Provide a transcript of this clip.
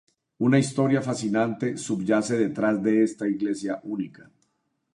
Una historia fascinante subyace detrás de esta iglesia única.